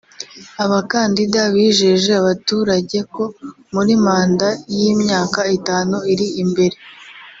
Abakandida bijeje abaturage ko muri manda y’imyaka itanu iri imbere